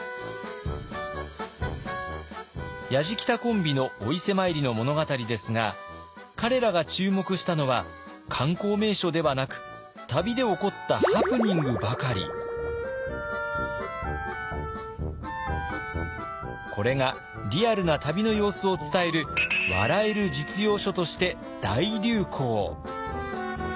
やじきたコンビのお伊勢参りの物語ですが彼らが注目したのは観光名所ではなくこれがリアルな旅の様子を伝える笑える実用書として大流行。